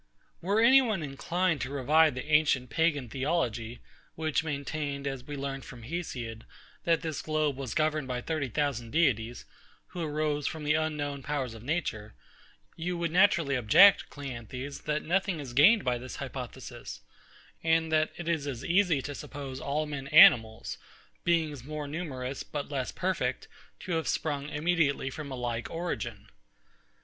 Were any one inclined to revive the ancient Pagan Theology, which maintained, as we learn from HESIOD, that this globe was governed by 30,000 deities, who arose from the unknown powers of nature: you would naturally object, CLEANTHES, that nothing is gained by this hypothesis; and that it is as easy to suppose all men animals, beings more numerous, but less perfect, to have sprung immediately from a like origin.